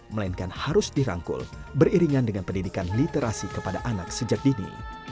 melainkan harus dirangkul beriringan dengan pendidikan literasi kepada anak sejak dini